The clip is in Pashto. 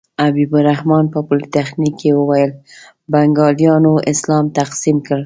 حبیب الرحمن په پولتخنیک کې وویل بنګالیانو اسلام تقسیم کړ.